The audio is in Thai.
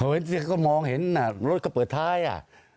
เห็นก็มองเห็นรถก็เปิดท้ายอ่ะ